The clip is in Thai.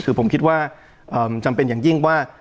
คือผมคิดว่ามันจำเป็นอย่างยิ่งว่า